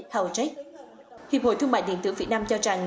housek hiệp hội thương mại điện tử việt nam cho rằng